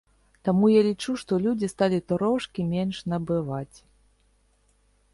Таму я лічу, што людзі сталі трошкі менш набываць.